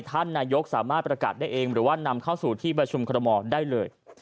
ท่านนายกสามารถประกาศได้เองหรือว่านำเข้าสู่ที่ประชุมคอรมอลได้เลย